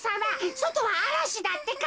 そとはあらしだってか。